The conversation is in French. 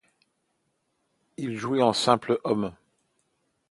Il jouait en simple hommes.